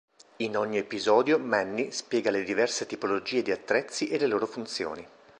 In ogni episodio Manny spiega le diverse tipologie di attrezzi e le loro funzioni.